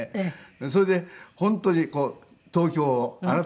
それで本当に東京を改めて眺めました。